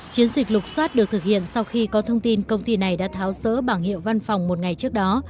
chiến dịch lục xoát được thực hiện sau khi có thông tin công ty này đã tháo rỡ bảng hiệu văn phòng một ngày trước đó